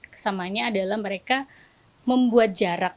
kesamanya adalah mereka membuat jarak